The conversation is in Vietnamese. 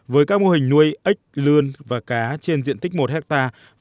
với các mô hình nuôi ếch lươn và cá trên diện tích một hectare